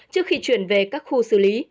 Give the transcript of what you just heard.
trước khi chuyển về các khu xử lý